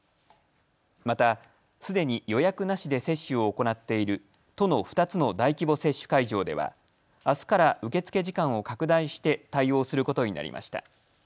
またすでに予約なしで接種を行っている都の２つの大規模接種会場ではあすから受け付け時間を拡大して対応することになりました。